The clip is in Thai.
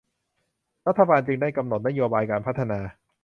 รัฐบาลจึงได้กำหนดนโยบายการพัฒนา